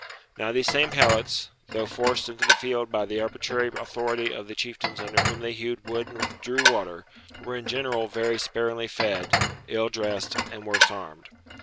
Now these same Helots, though forced into the field by the arbitrary authority of the chieftains under whom they hewed wood and drew water, were in general very sparingly fed, ill dressed, and worse armed.